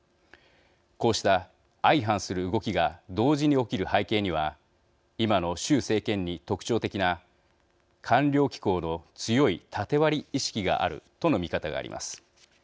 こうした相反する動きが同時に起きる背景には今の習政権に特徴的な官僚機構の強い縦割り意識があるとの見方があります。